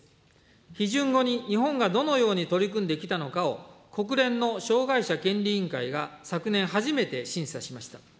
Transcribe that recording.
批准後に日本がどのように取り組んできたのかを、国連の障害者権利委員会が昨年、初めて審査しました。